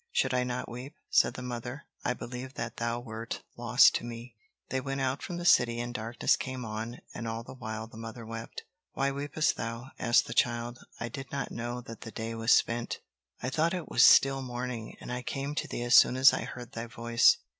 "Should I not weep?" said the mother. "I believed that thou wert lost to me." They went out from the city and darkness came on, and all the while the mother wept. "Why weepest thou?" asked the child. "I did not know that the day was spent. I thought it was still morning, and I came to thee as soon as I heard thy voice."